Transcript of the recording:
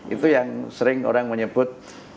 itu yang sering orang menyebut